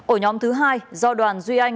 ổ nhóm thứ hai do đoàn duy anh